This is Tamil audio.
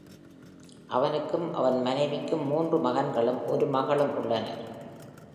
அவனுக்கும் அவன் மனைவிக்கும் மூன்று மகன்களும் ஒரு மகளும் உள்ளனர்.